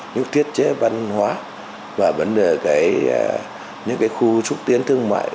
những thiết chế văn hóa và vấn đề những khu trúc tiến thương mại